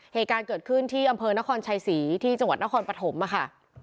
เหตุการณ์เกิดขึ้นที่อำเภอนครชัยศรีที่จังหวัดนครปฐมค่ะ